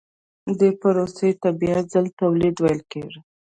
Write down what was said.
دې پروسې ته بیا ځلي تولید ویل کېږي